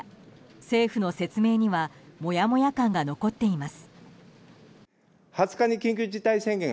政府の説明にはモヤモヤ感が残っています。